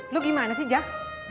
lu gimana sih jah